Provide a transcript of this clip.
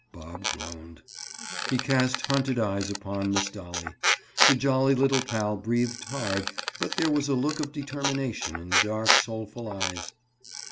Bob groaned. He cast hunted eyes upon Miss Dolly. The jolly little pal breathed hard, but there was a look of determination in the dark soulful eyes.